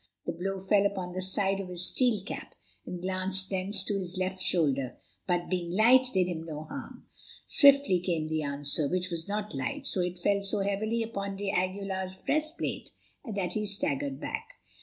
The blow fell upon the side of his steel cap, and glanced thence to his left shoulder, but, being light, did him no harm. Swiftly came the answer, which was not light, for it fell so heavily upon d'Aguilar's breastplate, that he staggered back.